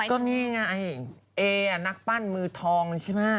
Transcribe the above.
ก็นี่ไงเอนักปั้นมือทองใช่ไหม